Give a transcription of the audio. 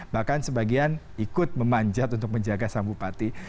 bahkan sebagian ikut memanjat untuk menjaga sang bupati